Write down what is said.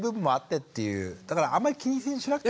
だからあんまり気にしなくても？